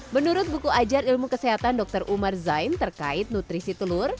menurut buku ajar ilmu kesehatan dr umar zain terkait nutrisi telur